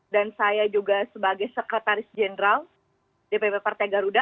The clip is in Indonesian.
dan saya juga sebagai sekretaris jenderal dpp partai garuda